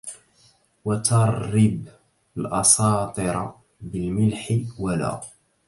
وترِّب الأسطرَ بالملح ولا